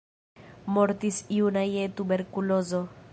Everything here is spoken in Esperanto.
Mortis juna je tuberkulozo.